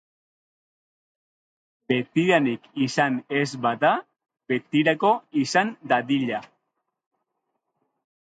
Betidanik izan ez bada, betirako izan dadila!